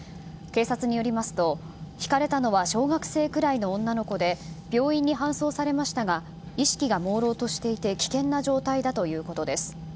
警察によりますと、ひかれたのは小学生くらいの女の子で病院に搬送されましたが意識がもうろうとしていて危険な状態だということです。